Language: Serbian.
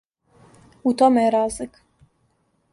У томе је разлика.